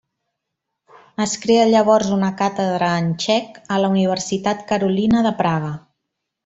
Es crea llavors una càtedra en txec a la Universitat Carolina de Praga.